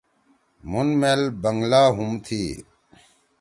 مُھن مئیل بنگلا ہُم تھی۔